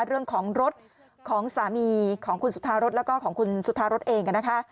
เรื่องของรถของสามีของคุณสุธารสแล้วก็ของคุณสุธารสเองนะคะ